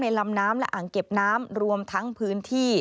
ลำน้ำและอ่างเก็บน้ำรวมทั้งพื้นที่